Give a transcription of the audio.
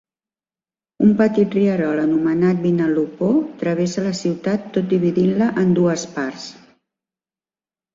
Un petit rierol anomenat Vinalopó travessa la ciutat tot dividint-la en dues parts.